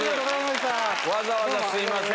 わざわざすみません。